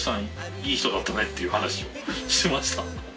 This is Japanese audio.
いい人だったねっていう話をしてました。